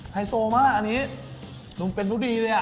ไฮโซมากอันนี้ลุงเป็นผู้ดีเลยอ่ะ